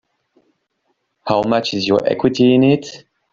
How much is your equity in it?